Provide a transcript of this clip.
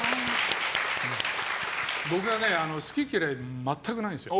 僕はね、好き嫌い全くないんですよ。